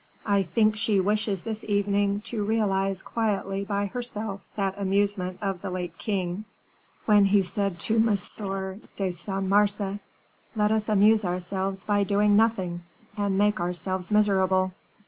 I think she wishes this evening to realize quietly by herself that amusement of the late king, when he said to M. de Cinq Mars, 'Let us amuse ourselves by doing nothing, and making ourselves miserable.